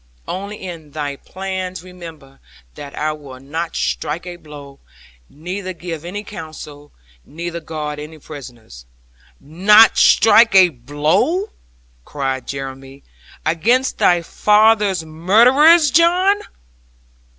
Only in thy plans remember that I will not strike a blow, neither give any counsel, neither guard any prisoners.' 'Not strike a blow,' cried Jeremy, 'against thy father's murderers, John!'